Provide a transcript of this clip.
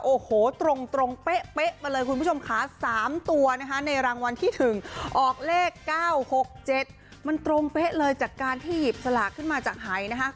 โอ้โหตรงตรงเป๊ะเป๊ะมาเลยคุณผู้ชมค้าสามตัวนะคะในรางวัลที่ถึงออกเลขเก้าหกเจ็ดมันตรงเป๊ะเลยจากการที่หยิบสลากขึ้นมาจากหายนะคะ